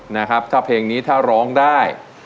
นะครับถ้าเพลงนี้ถ้าร้องได้